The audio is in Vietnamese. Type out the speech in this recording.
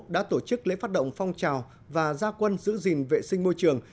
đã tổ chức lễ phát động phong trào và gia quân giữ gìn vệ sinh môi trường